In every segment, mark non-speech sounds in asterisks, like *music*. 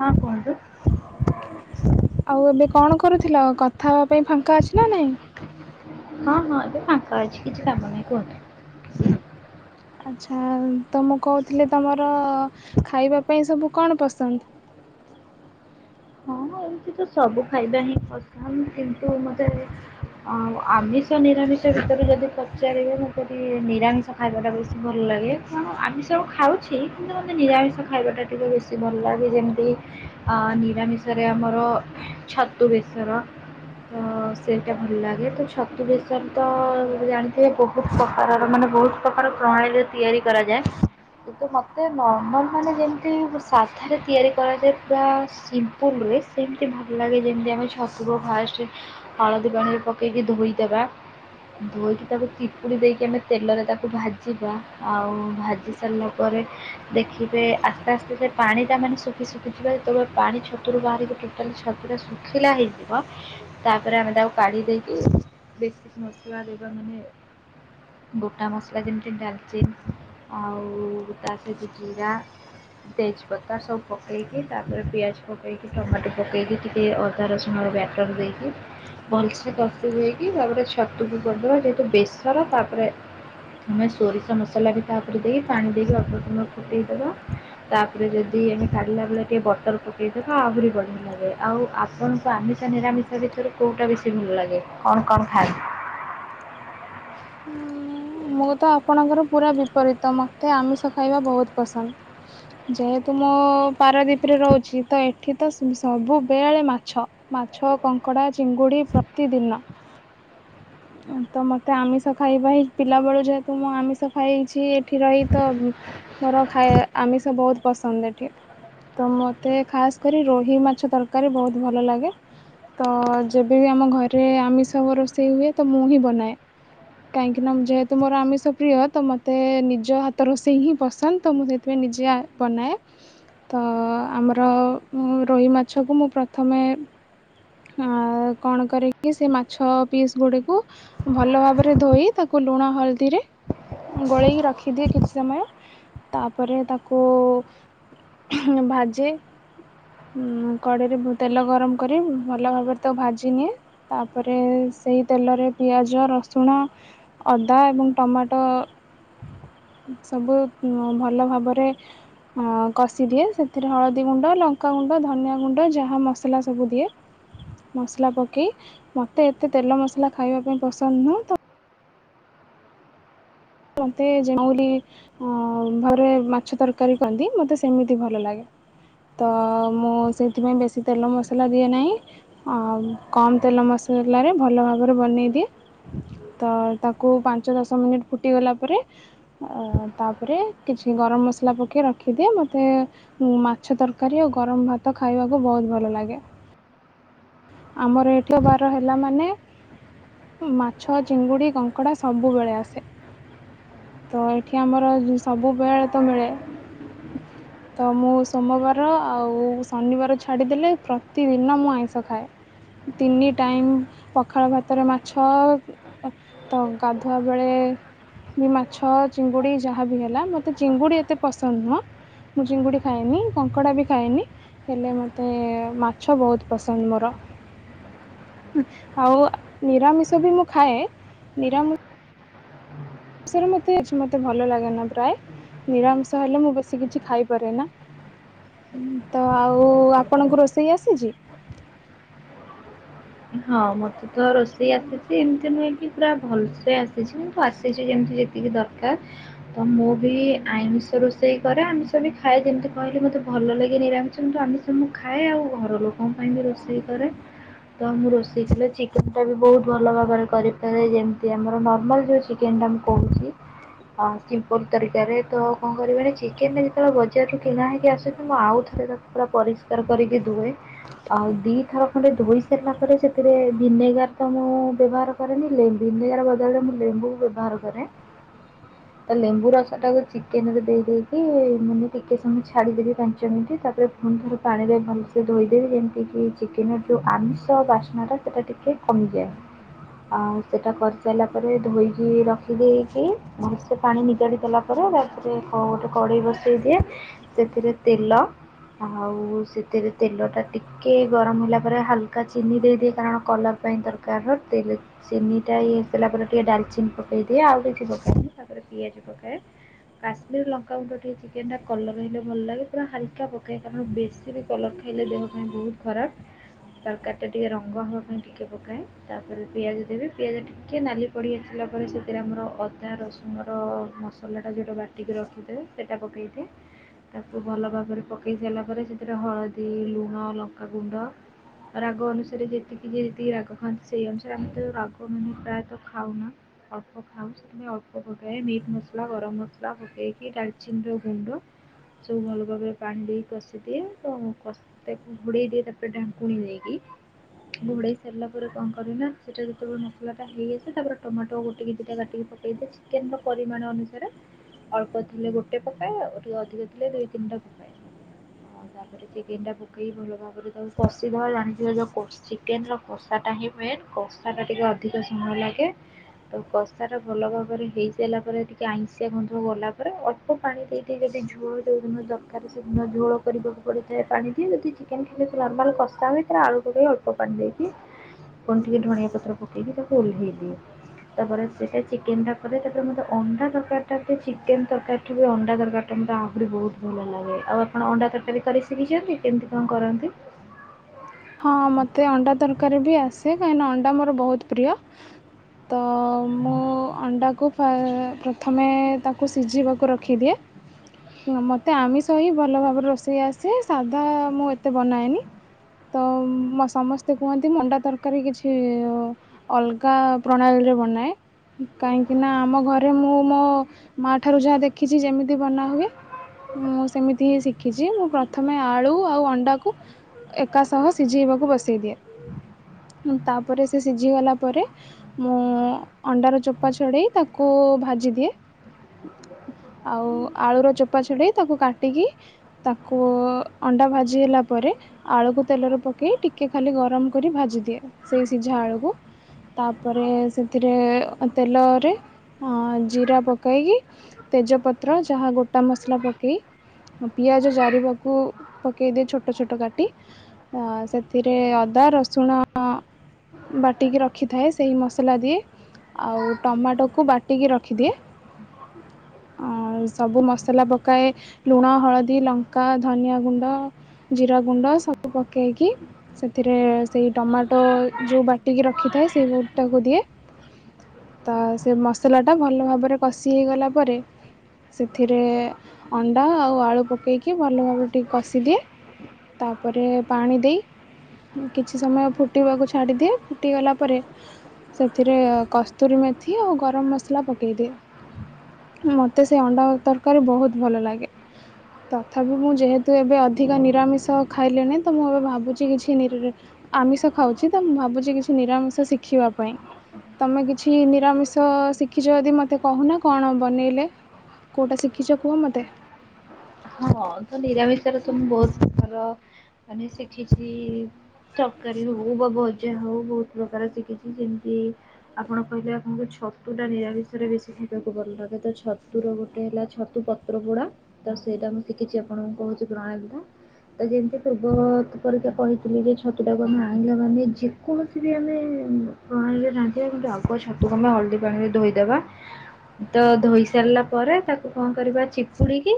ହଁ କୁହନ୍ତୁ। ଆଉ ଏବେ କଣ କରୁଥିଲ କଥା ହେବା ପାଇଁ ଫାଙ୍କା ଅଛି ନା ନାଇଁ? ହଁ ହଁ ଏବେ ଫାଙ୍କା ଅଛି କିଛି କାମ ନାହିଁ କୁହନ୍ତୁ। ଆଚ୍ଛା ତ ମୁଁ କହୁଥିଲି ତମର ଖାଇବା ପାଇଁ ସବୁ କଣ ପସନ୍ଦ? ଏ ଏମିତି ତ ସବୁ ଖାଇବା ହିଁ ପସନ୍ଦ କିନ୍ତୁ ମତେ ଆଉ ଆମିଷ ନିରାମିଷ ଭିତରେ ଯଦି ପଚାରିବେ ମୁଁ କବି ନିରାମି ଷ ଖାଇବାଟା ବେଶୀ ଭଲ୍ ଲାଗେ କାରଣ ଆମିଷ ଖାଉଛି କିନ୍ତୁ ଆମେ ନିରାମିଷ ଖାଇବା ଟା ଟିକେ ବେଶ ଖସିିବଲଲା ବି ଯେମିତି ଆ ନିରାମିଷରେ ଆମର ଛତୁ ବେଶର, ତ ସେଇଟା ଭଲ ଲାଗେ ତ ଛତୁ ବେଶର ତ ଜାଣିଥିବେ ବହୁତ୍, ବହୁତ୍ ପ୍ରକାରର ମାନେ ବହୁତ୍ ପ୍ରକାର ପ୍ରଣାଳୀରେ ତିଆରି କରାଯାଏ, କିନ୍ତୁ ମୋତେ ନର୍ମାଲ ମାନେ ଯେମିତି ସାଧାରେ ତିଆରି କରାଯାଏ ପୁରା ସିମ୍ ପୁଲରେ ସେମିତି ଭଲ ଲାଗେ ଯେମିତି ଆମେ ଛତୁୁର ଫାଷ୍ଟ୍ ରେ, ହଳଦି ପାନୀରେ ପକେଇ ଧୋଇ ଦେବା, ଧୋଇକି ତାକୁ ଚିପୁଡି ଦେଇକି ଆମେ ତେଲରେ ତାକୁ ଭାଜିବା ଆଉ ଭାଜି, ସାରିଲା ପରେ ଦେଖିବେ ଆସ୍ତେ-ଆସ୍ତେ ଯେ ପାଣିଟା ମାନେ ଶୁଖି-ଶୁଖି ଯିବ ଯେତେବେଳେ ପାଣି ଛ ତୁରୁ ବାହାରିକି ଟୋଟାଲି ଛତୁ ଟା ଶୁଖିଲା ହେଇଯିବ, ତାପରେ ଆମେ ତାକୁ କାଢି଼ ଦେଇକି ବେଶ ମସଲା ଦେବା ମାନେ, ଗୋଟା ମସଲା ଯେମିତି ଡାଲଚି, ଆଉ ତା ସହିତ ଜିରା, ତେଜପତା ସବୁ ପକେଇକି ତାପରେ ପିଆଜ ପ କେଇକି ଟମାଟୋ ପକାଇକି ଟିକେ ଅଦା ରସୁଣର ବ୍ୟାଟର୍ ଦେଇକି, ଭଲସେ କଷି ଦେଇକି ତାପରେ ଛତୁକୁ ପରିଦେବା ଯେହେତୁ ବେସର ତାପରେ, ତମେ ସୋରିଷ ମସଲା ବି ତାପରେ ଦେଇ ପାଣି ଦେଇକି ଅଦା ଲସୁଣ ପକେଇଦବା, ତାପରେ ଯଦି ଆମେ କାଢି଼ଲା ବେଳେ ଟିକେ ବଟଲକୁ, ସେଇଟା ତ ଆହୁରି ବଢିଆ ଲାଗିବ ଆଉ ଆପଣଙ୍କୁ ଆମିଷା ନିରାମିଷା ଭିତରୁ କୋଉଟା ବିସ୍ ସି ଭଲ ଲାଗେ କଣ-କଣ ଖାଆନ୍ତି! ମୁଁ ତ ଆପଣଙ୍କର ପୁରା ବିପରୀତ ମୋତେ ଆମିଷ ଖାଇବା ବହୁତ୍ ପସନ୍ଦ, ଯେହେତୁ ମୋ ପାରାଦୀପରେ ରହୁଛି ତ ଏଠି ତ ସ ସବୁବେଳେ ମାଛ, ମାଛ, କଙ୍କଡ଼ା, ଚିଙ୍ଗୁଡ଼ି ପ୍ରତିଦିନ, ତ ମୋତେ ଆମିଷ ଖାଇବା ହି ପିଲାବେଳୁ ଯେହେତୁ ମୁଁ ଆମିଷ ଖାଇଛି ଏଠି ରହି ତ ହୁଁ, ମୋର ଖାଇବା ଆମିଷ ବହୁତ୍ ପସନ୍ଦ ଏଠି, ତ ମୋତେ ଖାସ୍ କରି ରୋହି ମାଛ ତରକାରୀ ବହୁତ୍ ଭଲ ଲାଗେ, ତ ଯେବେବି ଆମ ଘରେ ଆମିଷ ହଁ ରୋଷେଇ ହୁଏ ତ ମୁଁ ହିଁ ବନାଏ, କାହିଁକି ନା ଯେହେତୁ ମୋର ଆମିଷ ପ୍ରିୟ ତ ମତେ ନିଜ ହାତ ରୋଷେଇ ହିଁ ପସନ୍ଦ ତ ମୁଁ ସେ, ତେବେ ନିଜେ ଆଏ ବନାଏ, ତ ଆମର ମୋ ରୋହି ମାଛକୁ ମୁଁ ପ୍ରଥମେ, ଆ କଣ କରିକି ସେ ମାଛ ପିସ୍ ଗୁଡ଼ିକୁ, ଭଲ ଭାବରେ ଧୋଇ ତାକୁ ଲୁଣ ହଳଦୀରେ, ଗୋଳେଇକି ରଖିଦିଏ କିଛି ସମୟ ତାପରେ ତାକୁ, ହୁଁ ଭାଜେ ହୁଁ କଡ଼େଇରେ ତେଲ ଗରମ କରି, ଭଲ ଭାବରେ ତାକୁ ଭାଜି ନିିଏ ତାପରେ ସେହି ତେଲରେ ପିଆଜ ରସୁଣ, ଅଦା ଏବଂ ଟମାଟୋ, ସବୁ ହଁ ଭଲ ଭାବରେ, ହଁ କଷି ଦିଏ ସେଥିରେ ହଳଦୀ ଗୁଣ୍ଡ, ଲଙ୍କାଗୁଣ୍ଡ, ଧନିଆ ଗୁଣ୍ଡ ଯାହା ମସଲା ସବୁ ଦିଏ, ମସଲା ପକେଇ ମତେ ଏତେ ତେଲ ମସଲା ଖାଇବା ପାଇଁ ପସନ୍ଦ ନୁହଁ ତ, ମତେ ଯେ ଆଁ ଉଁ ରି, ଅ ଘରେ ମାଛ ତରକାରୀ କରନ୍ତି ମତେ ସେମିତି ଭଲ ଲାଗେ, ତ ମୁଁ ସେଇଥିପାଇଁ ବେଶୀ ତେଲ ମସଲା ଦିଏ ନାହିଁ, ଆଉ କମ୍ ତେଲ ମସଲାରେ ଭଲ ଭାବରେ ବନେଇଦିଏ, ତ ତାକୁ ପାଞ୍ଚ ଦଶ ମିନିଟ ଫୁଟି ଗଲା ପରେ, ଆ ତାପରେ କିଛି ଗରମ ମସଲା ପକେଇାଇ ରଖିଦିଏ ମୋତେ, ମୁଁ ମାଛ ତରକାରୀ ଓ ଗରମ ଭାତ ଖାଇବାକୁ ବହୁତ୍ ଭଲ ଲାଗେ, ଆମର ଏଠି ବାର ହେଲା ମାନେ ମାଛ ଚିଙ୍ଗୁଡ଼ି, କଙ୍କଡ଼ା ସବୁବେଳେ ଆସେ। ତ ଏଠି ଆମର ସବୁବେଳେ ତ ମିଳେ। ତ ମୁଁ ସୋମବାର ଆଉ ଶନିବାର ଛାଡିଦେଲେ ପ୍ରତିଦିନ ମୁଁ ଆଇ କଖାଏ ତିନି ଟାଇମ୍ ପଖାଳ ଭାତରେ ମାଛ ଅଁ -ଅ- ତ ଗାଧୁଆ ବେଳେଏ-ଏ-ଏ ବି ମାଛ ଚିଙ୍ଗୁଡ଼ି ଯାହାବି ହେଲା ମୋତେ ଚିଙ୍ଗୁଡ଼ି ଏତେ ପସନ୍ଦ ନୁହଁ। ମୁଁ ଚିଙ୍ଗୁଡ଼ି ଖାଏନି, କଙ୍କଡ଼ା ବି ଖାଇନି ହେଲେ ମୋତେ ମାଛ ବୋହୁତ୍ ପସନ୍ଦ। ତମର। ଆଉ ନିରାମିଷ ବି ମୁଁ ଖାଏ ନିରା ଷରେ ମତେ ଅଛି ମତେ ଭଲ ଲାଗେ ନା ପ୍ରାଏ। ନିରାମିଷ ହେଲେ ମୁଁ ବେଶୀ କିଛି ଖାଇପାରେ ନା। ତ ଆଉ ଆପଣଙ୍କୁ ରୋଷେଇ ଆସିଛି। ହଁ ମତେ ତ ରୋଷେଇ ଆସେ। ସେ ଏମିତି ନୁହେଁ କି ପୁରା ଭଲ୍ ସେ ଆସିଛି କିନ୍ତୁ ଆସିଛି ଯେମିତି ଯେତିକି ଦରକାର୍। ତ ମୁଁ ବି ଆଇଁଷ ରୋଷେଇ କରେ ଆମିଷ ବି ଖାଏ ଯେମିତି କହିଲି ମତେ ଭଲ ଲାଗେନ ନିରାମିଷ କି ଆମିଷ ତ ମୁଁ ଖାଏ ଆଉ ଘର ଲୋକଙ୍କ ପାଇଁ ବି ରୋଷେଇ କରେ। ତ ମୁଁ ରୋଷେଇ କଲେ ଚିକେନ ଟା ବି ବୋହୁତ୍ ଭଲ ଭାବରେ କରିପାରେଏ ଯେମତି ଆମର ନର୍ମାଲ ଯୋଉ ଅଚି। କେନ୍ ଟା ମୁଁ କହୁଛି। ହଁ ସିମ୍ପୁଲ୍ ତରିକାରେ ତ କଣ କରିବାରେ ଅଛି ଚିକେନ୍ ଟା ଯେତେବେଳେ ବଜାରରୁ କିଣା ହେଇକି ଆସୁଛି ମୁଁ ଆଉ ଥରେ ତ ପୁରା ପରିଷ୍କାର କରିକି ଧୁଏ, ଆଉ ଦି ଥର ଖଣ୍ଡେ ଧୋଇ ସରିଲା ପରେ ସେଥିରେ ଭିନେଗାର ତ ମୁଁ ବ୍ୟବହାର କରେନି ଲେମ୍ ଭିନେଗାର ବଦଳରେ ମୁଁ ଲେମ୍ବୁ ବ୍ୟବହାର କରେ ହ ତା ଲେମ୍ବୁ ରସ ଟାକୁ ଚିକେନ୍ ରେ ଦେଇକି ମାନେ ଟିକେ ସମୟ ଛାଡ଼ିଦେବି ପାଞ୍ଚ ମିନିଟ୍ ତାପରେ ମୁଁ ଥରେ ପାଣିରେ ଭଲ୍ ସେ ଧୋଇଦେବି ଯେମିତିକି ଚିକେନ୍ ଯେଉଁ ଆମିଷ ତ ବାସ୍ନା ଟା ସେଟା ଟିକେ କମିଯାଏ। ଆଉ ସେଟା କରି ସାରିଲା ପରେ ଧୋଇକି ରଖି ଦେଇକି ସେ ପାଣି ନିଗାଡି ଦେଲା। *unintelligible* ତାପରେ ଗୋଟେ କଡେଇ ବସେଇ ଦିଏ ସେଥିରେ ତେଲ। ଆଉ ସେଥିରେ ତେଲ ଟା ଟିକେ ଗରମ୍ ହେଲା ପରେ ହାଲକ୍ କା ଚିନି ଦେଇଦିଏ କାରଣ କଲର୍ ପାଇଁ ଦରକାର୍ ର ତେଲ। ଚିନି ଟା ଇଏ ହେଲା ପରେ ଟିକେ ଡାଲ୍ ଚିନି ପକେଇ ଦିଏ ଆଉ କିଛି ପକାଏ ମୁ ତାପରେ ପିଆଜ ପକାଏ। କାଶ୍ମୀର ଲଙ୍କାଗୁଣ୍ଡ ଟିକେ ଚିକେନ୍ ଟା କଲର୍ ହେଲେ ଭଲ୍ ଲାଗେ ପୁରା ହାଲକା ପକାଏ କାରଣ ବେଶୀ ବେ କଲର୍ ଖାଇଲେ ଦେହ ପାଇଁ ବୋହୁତ୍ ଖରାପ୍। ତରକାରୀ ଟା ଟିକେ ରଙ୍ଗ ହେବା ପାଇଁ ଟିକିଏ ପକାଏ ତାପରେ ପିଆଜ ଦେବେ ପିଆଜ ଟିକେ ନାଲି ପଡ଼ି ଆସିଲା ପରେ ସେଥିରେ ଆମର ଅଦା ରସୁଣର ମସଲାଟା ଯେଉଁଟା ବାଟିକି ରଖିଥିବେ। ସେଟା ପକେଇଛି। ତାକୁ ଭଲ ଭାବରେ ପକାଇ ସାରିଲା ପରେ ସେଥିରେ ହଳଦୀ, ଲୁଣ, ଲଙ୍କାଗୁଣ୍ଡ। ରାଗ ଅନୁସାରେ ଯେତିକି ଯିଏ ଯେତିକି ରାଗ ଖାଆନ୍ତି ସେଇ ଅନୁସାରେ ଆମେ ତ ରାଗ ମାନେ ପ୍ରାୟତ ଖାଉନା। ଅଳ୍ପ ଖାଉ ସେଥିପାଇ ଅଳ୍ପ ପକାଏ ମିଟ୍ ମସଲା, ଗରମ୍ ମସଲା ପକେଇକି ଡାଲଚିନିର ଗୁଣ୍ଡ। ସବୁ ଭଲ ଭାବରେ ପାଣି ଦେଇ କଷିଦିଏ ତ କଷି ତାକୁ ଘୋଡ଼େଇ ଦିଏ ତାପରେ ଢା କୁଣି ନେଇକି ଘୋଡେଇ ସାରିଲା ପରେ କଣ କରେ ନା ସେଟା ଯେତେବେଳେ ମସଲା ଟା ହେଇଆସେ ତାପରେ ଟମାଟୋ ଗୋଟେ କି ଦିଟା। ପକେଇଦେ ଚିକେନ୍ ର ପରିମାଣ ଅନୁସାରେ। ଅଳ୍ପ ଥିଲେ ଗୋଟେ ପକାଏ, ଆଉ ଟିକେ ଅଧିକ ଥିଲେ ଦୁଇ ତିନିଟା ପକାଏ। ହଁ ତାପରେ ଚିକେନ ଟାକୁ କି ଭଲ ଭାବରେ ତାକୁ କଷି ଦବା ଜାଣି ଯୋଉ କୋଷ୍ ଚିକେନର କଷାଟା ହିଁ ମେନ୍, କଷାଟା ଟିକେ ଅଧିକ ସମୟ ଲାଗେ ତ କଷାଟା ଭଲ ଭାବରେ ହେଇସାଇଲା ପରେ ଟିକେ ଆଇଁଷିଆ ଗନ୍ଧ ଗଲା ପରେ, ଅ ଅପ ପାଣି ଦେଇ ଦେଇକି ଯଦି ଝୋଳ ଯୋଉଦିନ ଦରକାର ସେଦିନ ଝୋଳ କରିବାକୁ ପଡ଼ିଥାଏ ପାଣି ଦିଏ, ଯଦି ଚିକେନ ଖାଇବେ ଯଦି ନର୍ମାଲ କଷା ହୁଏ, ତାହେଲେ ଆଳୁ ପକେଇକି ଅଳ୍ପ ପାଣି ଦେଇକି କଣ ଟିକେ ଢ଼ଣିଆ ପତ୍ର ପକେଇକି ତାକୁ ଓହ୍ଲେଇ ଦିଏ। ତାପରେ ସେଟା ଚିକେନଟା କରେ, ତାପରେ ମତେ ଅଣ୍ଡା ତରକାରୀଟା ଟିକେ ଚିକେନ ତରକାରୀ ଏଠି ବି ଅଣ୍ଡା ତରକାରୀଟା ମୋତେ ଆହୁରି ବହୁତ ଭଲ ଲାଗେ। ଆଉ ଆପଣ ଅଣ୍ଡା ତରକାରୀ କରି ଶିଖିଛନ୍ତି, କେମିତି କଣ କରନ୍ତି? ହଁ ମୋତେ ଅଣ୍ଡା ତରକାରୀ ବି ଆସେ, କାହିଁକିନା ଅଣ୍ଡା ମୋର ବହୁତ ପ୍ରିୟ ତ ମୁଁ ଅଣ୍ଡାକୁ ଫା ପ୍ରଥମେ ତାକୁ ସିଝିବାକୁ ରଖିଦିଏ ମୋତେ ଆମିଷ ହିଁ ଭଲ ଭାବରେ ରୋଷେଇ ଆସେ, ସାଧା ମୁଁ ଏତେ ବନାଏନି ତ ମୋ ସମସ୍ତେ କୁହନ୍ତି ମଣ୍ଡା ତରକାରୀ କିଛି ଅଲଗା ପ୍ରଣାଳୀରେ ବନାଏ କାହିଁକିନା ଆମ ଘରେ ମୁଁ ମୋ ମାଆ ଠାରୁ ଯାହା ଦେଖିଛି, ଯେମିତି ବନାହୁଏ ମୁଁ ସେମିତି ହିଁ ଶିଖିଛି। ମୁଁ ପ୍ରଥମେ ଆଳୁ ଆଉ ଅଣ୍ଡାକୁ ଏକା ସହ ସିଝେଇବାକୁ ବସେଇ ଦିଏ। ଉମ୍ ତାପରେ ସେ ସିଝିଗଲା ପରେ ମୁଁ ଅଣ୍ଡାରୁ ଚୋପା ଛଡ଼େଇ ତାକୁ ଭାଜିଦିଏ ଆଉ ଆଳୁର ଚୋପା ଛଡେଇ ତାକୁ କାଟିକି ତାକୁ ଅଣ୍ଡା ଭାଜି ହେଲା ପରେ ଆଳୁକୁ ତେଲରେ ପକେଇ ଟିକେ ଖାଲି ଗରମ କରି ଭାଜିଦିଏ। ଆଉ ସେଇ ସିଝା ଆଳୁକୁ ତାପରେ ସେଥିରେ ଅ ତେଲରେ ହଁ ଜିରା ପକେଇକି ତେଜପତ୍ର ଯାହା ଗୋଟା ମସଲା ପକେଇ ହଁ ପିଆଜ ଜାରିବାକୁ ପକେଇଦିଏ, ଛୋଟ ଛୋଟ କାଟି ହ ସେଥିରେ ଅଦା, ରସୁଣ ବାଟିକି ରଖିଥାଏ, ସେହି ମସଲା ଦିଏ ଆଉ ଟମାଟୋକୁ ବାଟିକି ରଖିଦିଏ ଅଁ ସବୁ ମସଲା ପକାଏ ଲୁଣ, ହଳଦୀ, ଲଙ୍କା, ଧନିଆ ଗୁଣ୍ଡ, ଜିରା ଗୁଣ୍ଡ ଏ ସବୁ ପକେଇକି ସେଥିରେ ସେଇ ଟମାଟୋ ଯୋଉ ବାଟିକି ରଖିଥାଏ, ସେଇ ବଟାକୁ ଦିଏ ତ ସେ ମସଲାଟା ଭଲ ଭାବରେ କଷି ହେଇଗଲା ପରେ ସେଥିରେ ଅଣ୍ଡା ଆଉ ଆଳୁ ପକେଇକି ଭଲ ଭାବରେ ଟିକେ କଷିଦିଏ ତାପରେ ପାଣି ଦେଇ କିଛି ସମୟ ଫୁଟିବାକୁ ଛାଡ଼ିଦିଏ, ଫୁଟିଗଲା ପରେ ସେଥିରେ କସ୍ତୁରୀ ମେଥି ଆଉ ଗରମ ମସଲା ପକେଇଦିଏ। ମୋତେ ସେ ଅଣ୍ଡା ଆଉ ତରକାରୀ ବହୁତ ଭଲ ଲାଗେ। ତଥାପି ମୁଁ ଯେହେତୁ ଏବେ ଅଧିକ ନିରାମିଷ ଖାଇଲେଣି, ତ ମୁଁ ଏବେ ଭାବୁଛି କିଛି ନିରରି ଆମିଷ ଖାଉଛି, ତ ମୁଁ ଭାବୁଛି କିଛି ନିରାମିଷ ଶିଖିବା ପାଇଁ। ତମେ କିଛି ନିରାମିଷ ଶିଖିଛ ଯଦି ମୋତେ କହୁନା, କଣ ବନେଇଲେ କୋଉଟା ଶିଖିଛ କୁହ ମତେ? ହଁ। ତ ନିରାମିଷରେ ତ ମୁଁ ବହୁତ ପ୍ରକାର ମାନେ ଶିଖିଛି ତରକାରୀ ହଉ, ବା ଭଜା ହଉ, ବହୁତ ପ୍ରକାର ଶିଖିଚି ଯେନ୍ତି ଆପଣ କହିଲେ ଆପଣଙ୍କୁ ଛତୁଟା ନିରାମିଷରେ ବେଶୀ ଖାଇବାକୁ ଭଲ ଲାଗେ। ତ ଛତୁର ଗୋଟେ ହେଲା ଛତୁ ପତ୍ ପତ୍ରପୋଡ଼ା ସେଇଟା ମୁଁ ଶିଖିଛି, ଆପଣଙ୍କୁ କହୁଛି ପ୍ରଣାଳୀଟା। ତ ଯେନ୍ତି ପୂର୍ବ ପରିକା କହିଥିଲି ଯେ ଛତୁଟାକୁ ଆମେ ଆଇଁଲା ମାନେ ଯି କୌଣସି ବି ଆମେ ପ୍ରଣାଳୀରେ ରାନ୍ଧିବା କିନ୍ତୁ ଆଗ ଛତୁକୁ ଆମେ ହଳଦୀ ପାଣିରେ ଧୋଇଦବା। ତ ଧୋଇ ସାରିଲା ପରେ ତାକୁ କଣ କରିବା ଚିପୁଡିକି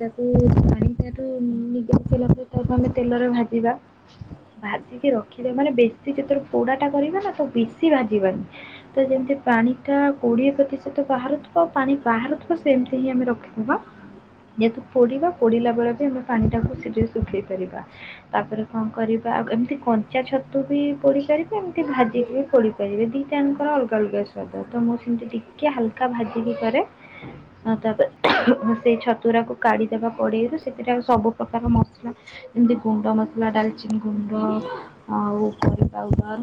ତାକୁ ପାଣି ତାଠୁ ନିଗାରି ସାଇଲା ପରେ ତାକୁ ଆମେ ତେଲରେ ଭାଜିବା। ଭାଜିକି ରଖିବେ ମାନେ ବେଶୀ ଯେତେବେଳେ ପୋଡାଟା କରିବା ନା ତ ବେଶି ଭାଜିବାନି। ତ ଯେମିତି ପାଣିଟା କୋଡିଏ ପ୍ରତିଶତ ବାହାରୁଥିବ ପାଣି ବାହାରୁଥିବ ସେମିତି ହିଁ ଆମେ ରଖିବା। ଯେହେତୁ ପୋଡିବା ପୋଡିଲା ବେଳେ ବି ଆମେ ପାଣିଟାକୁ ସେ ଯୋଉ ଶୁଖେଇ ପାରିବା। ତାପରେ କଣ କରିବା ଆଉ ଏମିତି କଞ୍ଚା ଛତୁ ବି ପୋଡି ପାରିବ ଏମିତି ଭାଜିିକି ବି ପୋ ପାରିବେ ଦିଟାଣଙ୍କର ଅଲଗା ଅଲଗା ସ୍ୱାଦ ତ ମୁଁ ସେମିତି ଟିକେ ହାଲକା ଭାଜିିକି କରେ। ଆ ତାପରେ ସେଇ ଛତୁରାକୁ କାଢ଼ିଦେବା କଡ଼େଇରୁ ସେଥିରେ ଆଉ ସବୁପ୍ରକାର ମସଲା ଏମିତି ଗୁଣ୍ଡ ମସଲା ଡାଲଚିନ୍ ଗୁଣ୍ଡ ଆଉ କରି ପାଉଡର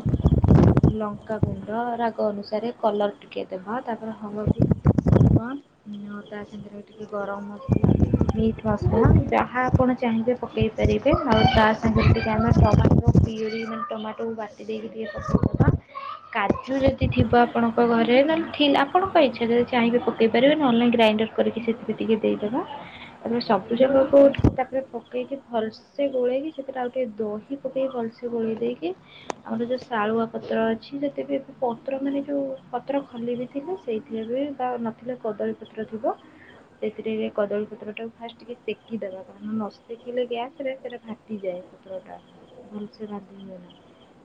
ଲଙ୍କା ଗୁଣ୍ଡ ରାଗ ଅନୁସାରେ କଲର୍ ଟିକ ଦେବା ତାପରେ ହ *unintelligible* ତା ସାଙ୍ଗରେ ଟିକେ ଗରମ ମସ ମିଟ୍ ମସଲା ଯାହା ଆପଣ ଚାହିଁବେ ପକେଇ ପାରିବେ ଆଉ ତା ଯେମତିକି ଆମେ *unintelligible* ଟମାଟୋକୁ ବାଟି ଦେଇକି ଟିକେ କଷି ଦବା। କାଜୁ ଯଦି ଥିବ ଆପଣଙ୍କ ଘରେ ନହେଲେ ଥି ଆପଣଙ୍କ ଇଚ୍ଛା ଯଦି ଚାହିଁବେ ପକେଇ ପାରିବେ ନହେଲେ ଗ୍ରାଇଣ୍ଡ କରିକି ସେଥିରେ ଟିକେ ଦେଇଦେବା ତାପରେ ସବୁ ଯାକ କୁଠିକ୍ ଠାକ୍ ରେ ପକେଇକି ଭଲ ସେ ଗୋଳେଇକି ସେଥିରେ ଆଉ ଟିକେ ଦହି ପକେଇ ଭଲସେ ଗୋଳେଇ ଦେଇକି ଆମର ଯୋଉ ଶାଳୁଆ ପତ୍ର ଅଛି ଯେତେବେ ଏବେ ପତ୍ର ମାନେ ଯୋଉ ପତ୍ର ଖଲି ବିି ଥି ସେଇଥିରେ ବି ତା ନଥିଲେ କଦଳୀପତ୍ର ଥିବ। ସେଥିରେ କଦଳୀପତ୍ର ଟାକୁ ଫାଷ୍ଟ ଟିକେ ସେକିଦେବେ ଆଗ କାରଣ ନସେକିଲେ ଗ୍ୟାସ୍ ରେ ସେଟା ଫାଟିଯାଏ। ଭଲସେ ବାନ୍ଧି ହୁଏନା।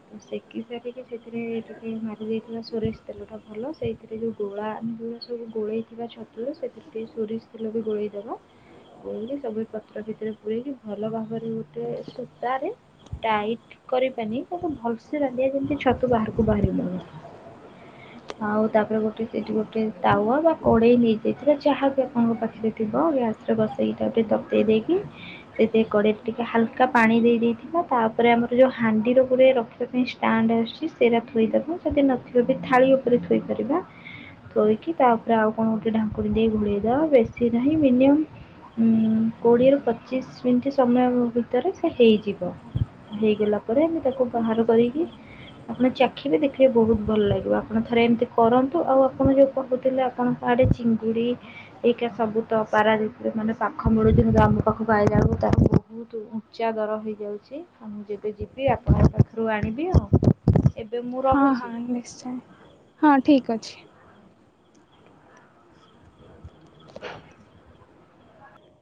ତ ସେକି ସାରିକି ସେଥିରେ ଟିକେ ମାରି ଦେଇଥିବା ସୋରିସ୍ ତେଲ ଟା ଭଲ। ସେଇଥିରେ ଯୋଉ ଗୋଳା ଆମେ ଯୋଉଗୁରା ସବୁ ଗୋଳେଇଥିବା ଛତୁରୁ ସେଥିରେ ଟିକେ ସୋରିଷ ତେଲ ବି ଗୋଳେଇଦବା। ଗୋଲେଇକି ସବୁ ଏ ପତ୍ର ଭିତରେ ପୁରେଇକି ଭଲ ଭାବରେ ଗୋଟେ ସୂତାରେ ଟାଇଟ୍ କରିବାନି ତାକୁ ଭଲସେ ବାନ୍ଧିଆ ଯେମିତି ଛତୁ ବାହାରକୁ ବାହାରିବନି। ଆଉ ତାପରେ ଗୋଟେ ସେଠି ଗୋଟେ ତାୱା ବା କଡେଇ ନେଇଯାଇଥିବେ ଯାହା ବି ଆମ ପାଖରେ ଥିବ ଗ୍ୟାସ୍ ରେ ବସେଇ ତାକୁ ଟିକେ ତତେଇ ଦେଇକି ସେଥିରେ କଡେଇରେ ଟିକେ ହାଲକା ପାଣି ଦେଇଦେଇଥିବା ତାପରେ ଆମର ଯୋଉ ହାଣ୍ଡିର *unintelligible* ତା ପାଇଁ ଷ୍ଟାଣ୍ଡ ଆସୁଛି ସେଇଟା ଥୋଇଦବା ଯଦି ନଥିବ ବି ଥାଳି ଉପରେ ଥୋଇପାରିବା। ଥୋଇକି ତା ଉପରେ ଆଉ କଣ ଗୋଟେ ଢାଙ୍କୁଣି ଦେଇ ଘୋଡେଇଦବା ବେଶୀ ନାହିଁ ମିନିମମ୍ ଉଁ କୋଡ଼ିଏରୁ ପଚିଶ୍ ମିନିଟ୍ ସମୟ ଭିତରେ ସେ ହେଇଯିବ। ହେଇଗଲା ପରେ ଆମେ ତାକୁ ବାହାର କରିକି ଆପଣ ଚାଖିବେ ଦେଖିବେ ବହୁତ୍ ଭଲ ଲାଗିବ, ଆପଣ ଥରେ ଏମିତି କରନ୍ତୁ ଆଉ ଆପଣ ଯୋଉ କହୁଥିଲେ ଆପଣଙ୍କ ଆଡ଼େ ଚିଙ୍ଗୁଡ଼ି ଏଇକା ସବୁ ତ ପାରଦିପ ରେ ମାନେ ପାଖ ମିଳୁଛି ଆମ ପାଖକୁ ଆଇଲା ବେଳକୁ ତା ବହୁତୁ ଉଞ୍ଚା ଦର ହେଇଯାଉଚି ଆଉ ମୁଁ ଯେବେ ଯିବି ଆପଣଙ୍କ ପାଖରୁ ଆଣିବି ଆଉ। ଏବେ ମୁଁ ହଁ ରହୁଛି। ହଁ ନିଶ୍ଚୟ ହଁ ଠିକ୍ ଅଛି। *inaudible*